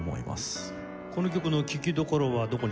この曲の聴きどころはどこにありますか？